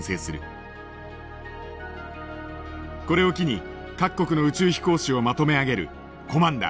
これを機に各国の宇宙飛行士をまとめ上げるコマンダー